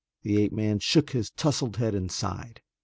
The ape man shook his tousled head and sighed.